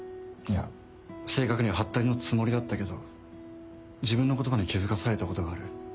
いや正確にはハッタリのつもりだったけど自分の言葉に気付かされたことがある。